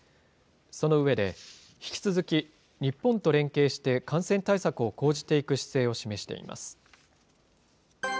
その上で、引き続き日本と連携して感染対策を講じていく姿勢を示しています。